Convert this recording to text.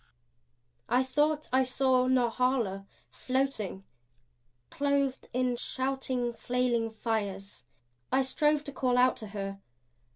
I thought I saw Norhala floating, clothed in shouting, flailing fires. I strove to call out to her.